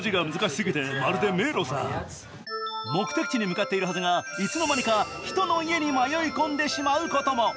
目的地に向かっているはずがいつのまにか人の家に迷い混んでしまうことも。